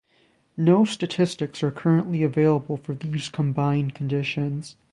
No statistics are currently available for these combined conditions.